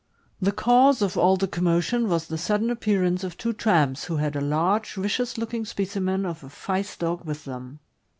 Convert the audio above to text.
The cause of all the commotion was the sudden appearance of two tramps, who had a large, vicious looking specimen of a fice dog with them.